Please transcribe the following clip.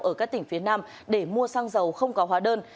ở các tỉnh phía nam để mua xăng dầu không có hóa đơn